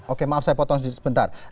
oke maaf saya potong sedikit sebentar